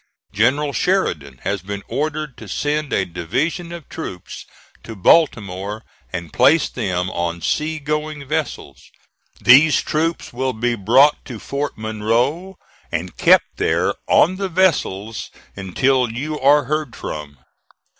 "General Sheridan has been ordered to send a division of troops to Baltimore and place them on sea going vessels. These troops will be brought to Fort Monroe and kept there on the vessels until you are heard from.